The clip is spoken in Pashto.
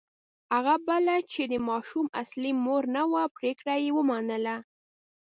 هغه بله چې د ماشوم اصلي مور نه وه پرېکړه یې ومنله.